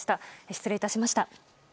失礼いたしました。